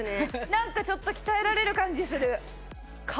なんかちょっと鍛えられる感じする。